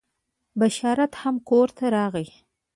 بشارت هم کور ته راغی.